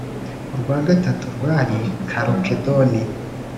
urwa gatatu rwari kalukedoni,